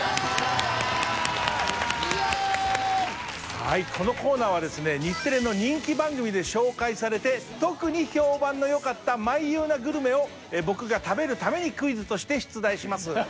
はいこのコーナーは日テレの人気番組で紹介されて特に評判のよかったまいうなグルメを僕が食べるためにクイズとして出題します。